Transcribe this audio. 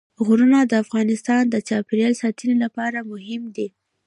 غرونه د افغانستان د چاپیریال ساتنې لپاره مهم دي.